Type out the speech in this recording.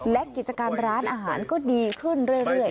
และกิจการร้านอาหารก็ดีขึ้นเรื่อย